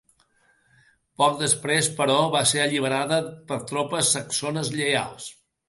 Poc després, però, va ser alliberada per tropes saxones lleials.